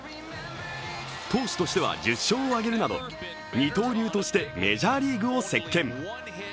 投手としては１０勝を挙げるなど二刀流としてメジャーリーグを席けん。